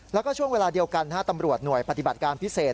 แล้วก็ช่วงเวลาเดียวกันตำรวจหน่วยปฏิบัติการพิเศษ